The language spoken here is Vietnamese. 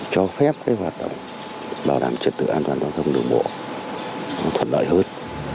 cho phép cái hóa tổng bảo đảm trật tự an toàn giao thông đường bộ nó thuận đợi hết